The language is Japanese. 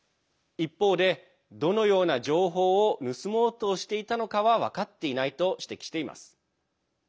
一方で、どのような情報を盗もうとしていたのかは分かっていないと指摘しています。